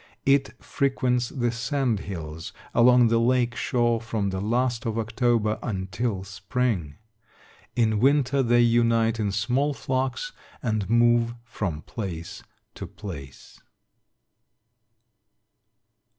It frequents the sand hills along the lake shore from the last of October until spring. In winter they unite in small flocks and move from place to place.